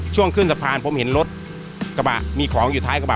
ช่วงขึ้นสะพานผมเห็นรถกระบะมีของอยู่ท้ายกระบะ